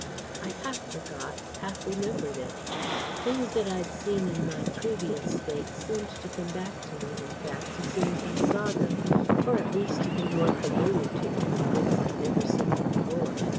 I half forgot, half remembered it. Things that I'd seen in my previous state seemed to come back to me, in fact, as soon as I saw them; or at least to be more familiar to me than things I'd never seen before.